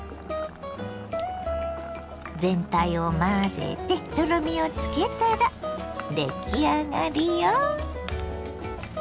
全体を混ぜてとろみをつけたらでき上がりよ。